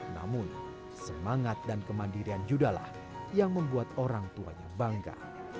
namun semangat dan kemandirian yudalah yang membuat orang tuanya bangga